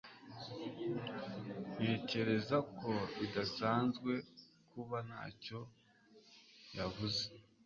Ntekereza ko bidasanzwe kuba ntacyo yavuze